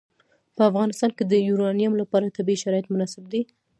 په افغانستان کې د یورانیم لپاره طبیعي شرایط مناسب دي.